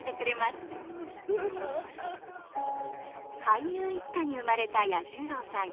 俳優一家に生まれた彌十郎さん。